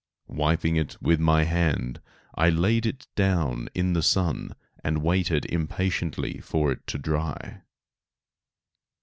Wiping it with my hand I laid it down in the sun and waited impatiently for it to dry.